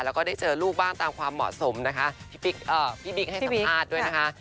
แล้วก็ได้เจอลูกบ้างตามความเหมาะสมนะคะพี่บิ๊กให้สัมภาษณ์ด้วยนะคะ